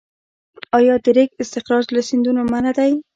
آیا د ریګ استخراج له سیندونو منع دی؟